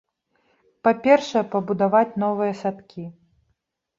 Па-першае, пабудаваць новыя садкі.